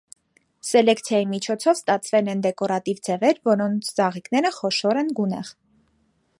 Սելեկցիայի միջոցով ստացվել են դեկորատիվ ձևեր, որոնց ծաղիկները խոշոր են, գունեղ։